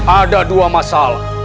ada dua masalah